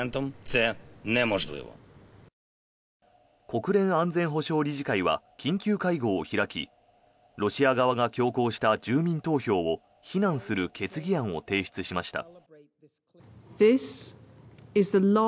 国連安全保障理事会は緊急会合を開きロシア側が強行した住民投票を非難する決議案を提出しました。